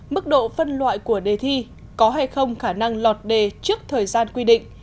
mức độ phân loại của đề thi có hay không khả năng lọt đề trước thời gian quy định